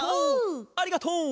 ありがとう！